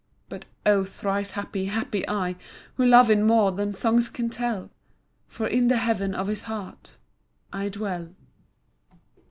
But oh, thrice happy, happy I Who love him more than songs can tell, For in the heaven of his heart I dwell.